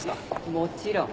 もちろん。